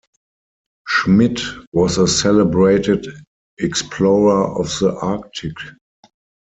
Schmidt was a celebrated explorer of the Arctic.